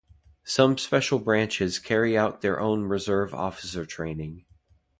Some special branches carry out their own reserve officer training.